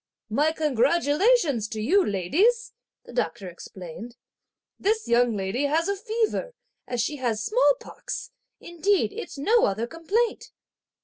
"My congratulations to you, ladies," the doctor explained; "this young lady has fever, as she has small pox; indeed it's no other complaint!"